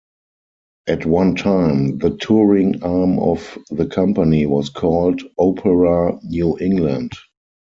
At one time, the touring arm of the company was called Opera New England.